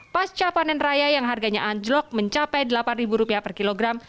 pas capanen raya yang harganya anjlok mencapai delapan ribu rupiah per kilogram